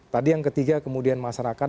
tadi yang ketiga kemudian masyarakat